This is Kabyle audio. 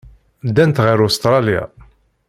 Ddant ɣer Ustṛalya.